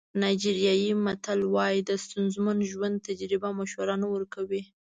نایجیریایي متل وایي د ستونزمن ژوند تجربه مشوره نه ورکوي.